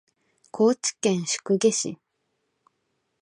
高知県宿毛市